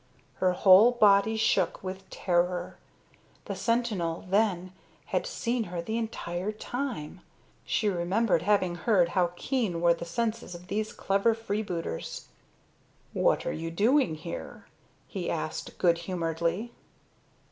Her whole body shook with terror. The sentinel, then, had seen her the entire time. She remembered having heard how keen were the senses of these clever freebooters. "What are you doing here?" he asked good humoredly.